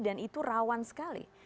dan itu rawan sekali